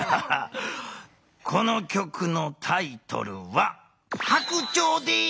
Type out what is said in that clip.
この曲のタイトルは「白鳥」です！